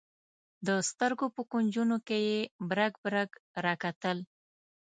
د سترګو په کونجونو کې یې برګ برګ راکتل.